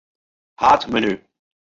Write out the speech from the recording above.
Haadmenu.